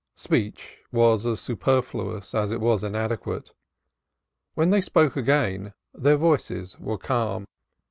Speech was as superfluous as it was inadequate. When they spoke again their voices were calm.